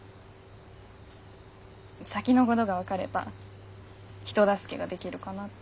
先のごどが分かれば人助けができるかなって。